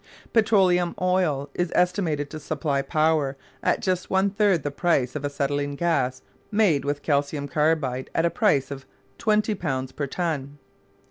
Petroleum oil is estimated to supply power at just one third the price of acetylene gas made with calcium carbide at a price of £20 per ton.